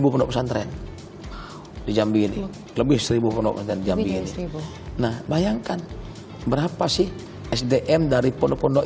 pesantren di jambi ini lebih seribu seribu nah bayangkan berapa sih sdm dari pondok pondok